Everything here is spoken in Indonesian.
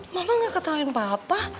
mama gak ketawain papa